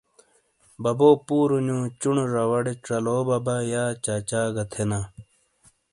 ببو پُورونیو چُنو زواڑے ژالو ببا یا چاچا گہ تھینا۔